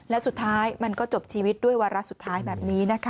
และสุดท้ายมันก็จบชีวิตด้วยวาระสุดท้ายแบบนี้นะคะ